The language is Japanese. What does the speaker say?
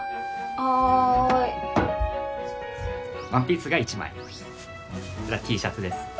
はいワンピースが１枚はいＴシャツです